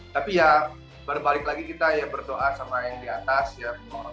tapi ya berbalik lagi kita ya berdoa sama yang di atas ya